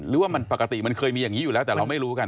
หรือว่ามันปกติมันเคยมีอย่างนี้อยู่แล้วแต่เราไม่รู้กัน